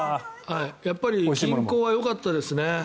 やっぱり近郊はよかったですね。